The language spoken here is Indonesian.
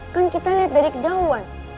kan kita lihat dari kedawan